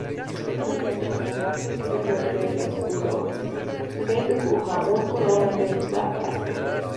Finalmente, en la parte superior del escudo, se dibuja una corona de plata.